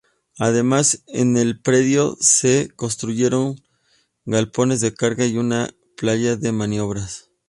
Además, en el predio se construyeron galpones de carga y una playa de maniobras.